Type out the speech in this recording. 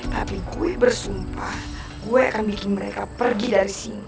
tapi gue bersumpah gue akan bikin mereka pergi dari sini